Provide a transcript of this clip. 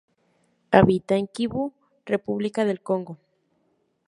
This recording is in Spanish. Habita en Kivu, República del Congo.